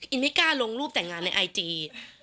ไม่กล้าลงรูปแต่งงานในไอจี